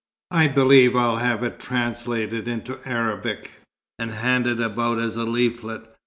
I believe I'll have it translated into Arabic, and handed about as a leaflet.